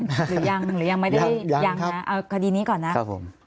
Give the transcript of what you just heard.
หรือยังหรือยังไม่ได้ยังนะเอาคดีนี้ก่อนนะครับผม